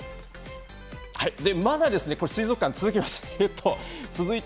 まだ、水族館、続きます。